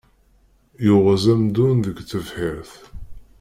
Yuɣez amdun deg tebḥirt.